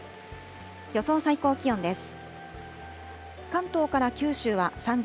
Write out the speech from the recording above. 予想最高気温です。